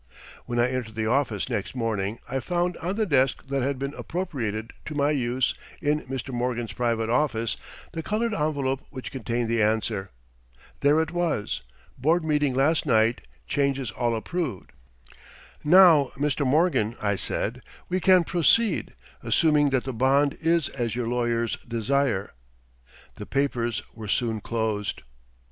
When I entered the office next morning, I found on the desk that had been appropriated to my use in Mr. Morgan's private office the colored envelope which contained the answer. There it was: "Board meeting last night; changes all approved." "Now, Mr. Morgan," I said, "we can proceed, assuming that the bond is as your lawyers desire." The papers were soon closed.